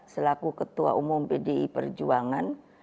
selaku ketua umum pdi perjuangan